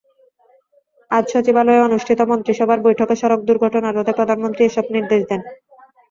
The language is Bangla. আজ সচিবালয়ে অনুষ্ঠিত মন্ত্রিসভার বৈঠকে সড়ক দুর্ঘটনা রোধে প্রধানমন্ত্রী এসব নির্দেশ দেন।